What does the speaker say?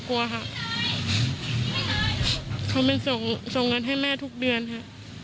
กลัวค่ะเขาเป็นส่งเงินให้แม่ทุกเดือนค่ะ